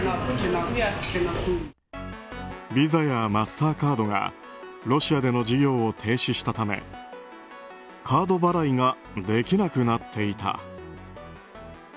ＶＩＳＡやマスターカードがロシアでの事業を停止したためカード払いができなくなっていた。